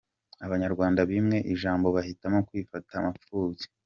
Abanyarwanda bimwe ijambo bahitamo kwifata mapfubyi!